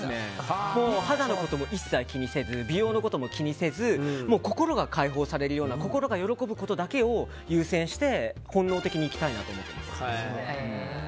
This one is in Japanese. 肌のことも一切気にせず美容のことも気にせず心が解放されるような心が喜ぶことだけを優先して本能的に生きたいなと思ってます。